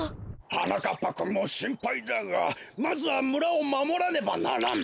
はなかっぱくんもしんぱいだがまずはむらをまもらねばならん。